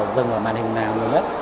dừng vào màn hình nào người nhất